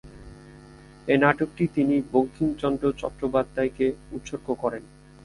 এ নাটকটি তিনি বঙ্কিমচন্দ্র চট্টোপাধ্যায়কে উৎসর্গ করেন।